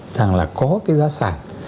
rằng là có cái giá sản